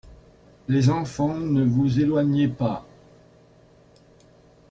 Les enfants, ne vous éloignez pas.